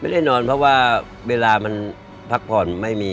ได้นอนเพราะว่าเวลามันพักผ่อนไม่มี